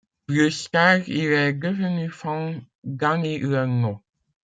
Plus tard il est devenu fan d'Annie Lennox.